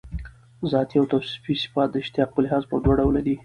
ذاتي او توصیفي صفات د اشتقاق په لحاظ پر دوه ډوله دي.